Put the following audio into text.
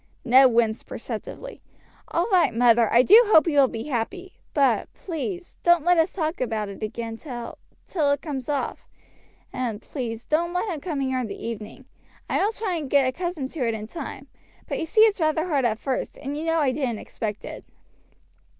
Ned winced perceptibly. "All right, mother! I do hope you will be happy; but, please, don't let us talk about it again till till it comes off; and, please, don't let him come here in the evening. I will try and get accustomed to it in time; but you see it's rather hard at first, and you know I didn't expect it."